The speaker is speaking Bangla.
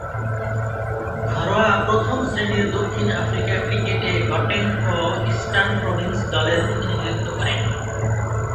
ঘরোয়া প্রথম-শ্রেণীর দক্ষিণ আফ্রিকা ক্রিকেটে গটেং ও ইস্টার্ন প্রভিন্স দলের প্রতিনিধিত্ব করেন।